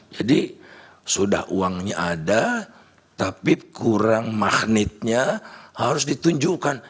jadi sudah uangnya ada tapi kurang magnetnya harus ditunjukkan